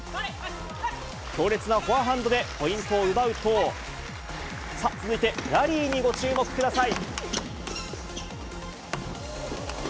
強烈なフォアハンドでポイントを奪うと、続いてラリーにご注目ください。